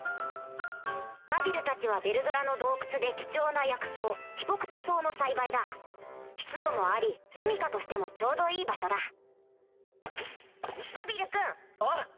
ガビルたちはヴェルドラの洞窟で貴重な薬草ヒポクテ草の栽培だ湿度もありすみかとしてもちょうどいい場所だガビル君！あっ！